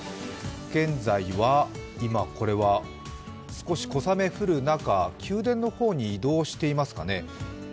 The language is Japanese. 現在は今、少し小雨降る中宮殿の方に移動していますかね。